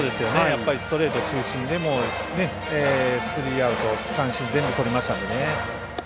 ストレート中心でスリーアウト、三振全部とりましたので。